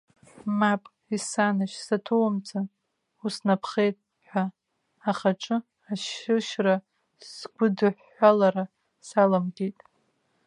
Мап, исанажь, саҭанаумҵан, уснаԥхеит ҳәа ахаҿы ашьышьра, сгәыдыҳәҳәалара саламгеит.